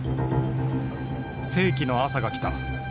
「世紀の朝が来た。